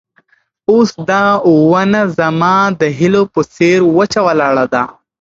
اوس دا ونه زما د هیلو په څېر وچه ولاړه ده.